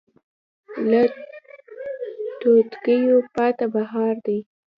له توتکیو پاته بهار دی